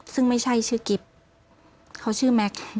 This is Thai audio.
ซึ่งไม่ใช่ชื่อกิฟต์เขาชื่อแม็กซ์